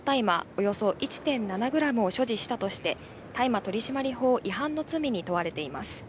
およそ１．７グラムを所持したとして、大麻取締法違反の罪に問われています。